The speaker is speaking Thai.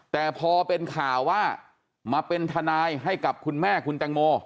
แต่พอเป็นข่าวว่ามาเป็นทนายให้กับคุณแม่คุณแตงโม